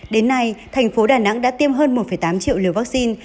đến nay thành phố đà nẵng đã tiêm hơn một tám triệu liều vaccine